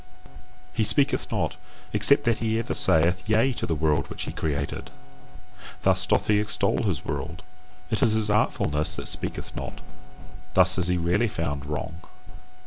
He speaketh not: except that he ever saith Yea to the world which he created: thus doth he extol his world. It is his artfulness that speaketh not: thus is he rarely found wrong.